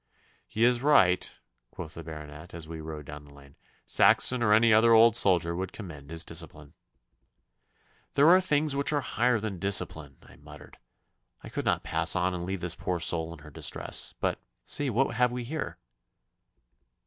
'He is right,' quoth the Baronet, as we rode down the lane; 'Saxon or any other old soldier would commend his discipline.' 'There are things which are higher than discipline,' I muttered. 'I could not pass on and leave this poor soul in her distress. But see what have we here?